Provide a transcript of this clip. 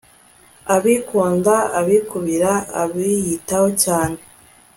abikunda, abikubira, abiyitaho cyane